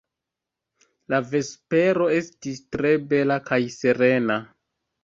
La vespero estis tre bela kaj serena.